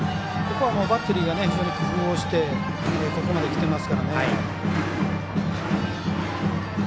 バッテリーが非常に工夫してここまできています。